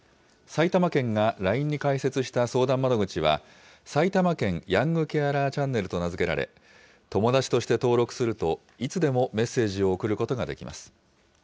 埼玉県がＬＩＮＥに開設した相談窓口は、埼玉県ヤングケアラーチャンネルと名付けられ、友達として登録すると、いつでもメッセージを送ることができます。